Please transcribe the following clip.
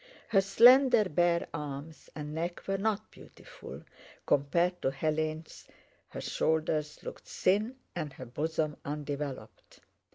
Her slender bare arms and neck were not beautiful—compared to Hélène's her shoulders looked thin and her bosom undeveloped.